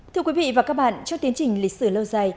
thưa quý vị và các bạn trong tiến trình lịch sử lâu dài